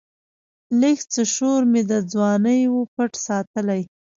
لږڅه شورمي د ځواني وًپټ ساتلی